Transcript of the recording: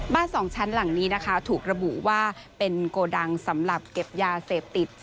สองชั้นหลังนี้นะคะถูกระบุว่าเป็นโกดังสำหรับเก็บยาเสพติด